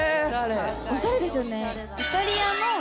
おしゃれですよね。